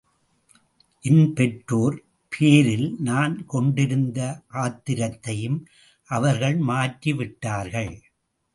என் பெற்றோர் பேரில் நான் கொண்டிருந்த ஆத்திரத்தையும் அவர்கள் மாற்றி விட்டார்கள்.